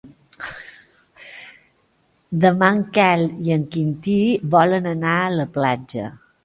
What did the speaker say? Demà en Quel i en Quintí volen anar a la platja.